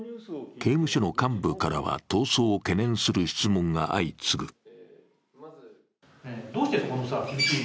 刑務所の幹部からは、逃走を懸念する質問が相次ぐ。